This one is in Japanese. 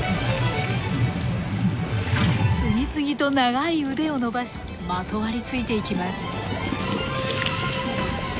次々と長い腕を伸ばしまとわりついていきます。